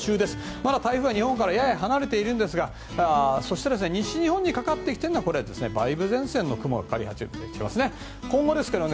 まだ台風は日本からやや離れているんですがそして、西日本にかかってきているのは梅雨前線の雲がかかり始めていますね。